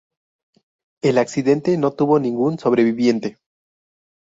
El accidente no tuvo ningún sobreviviente.